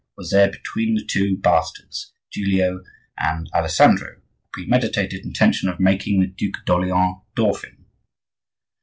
Was there between the two bastards, Giulio and Alessandro, a premeditated intention of making the Duc d'Orleans dauphin?